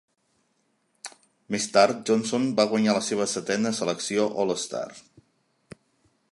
Més tard, Johnson va guanyar la seva setena selecció All-Star.